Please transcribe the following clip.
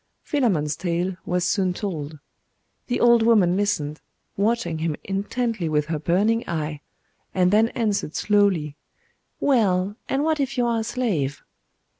Philammon's tale was soon told. The old woman listened, watching him intently with her burning eye; and then answered slowly 'Well, and what if you are a slave?